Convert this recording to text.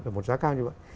và một giá cao như vậy